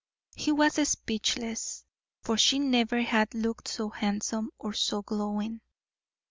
He was speechless, for she never had looked so handsome or so glowing.